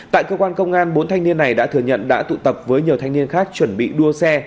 tại cơ quan công an bốn thanh niên này đã thừa nhận đã tụ tập với nhiều thanh niên khác chuẩn bị đua xe